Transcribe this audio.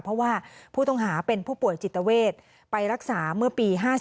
เพราะว่าผู้ต้องหาเป็นผู้ป่วยจิตเวทไปรักษาเมื่อปี๕๔